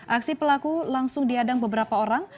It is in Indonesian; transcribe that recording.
aksi pelaku langsung diadang beberapa orang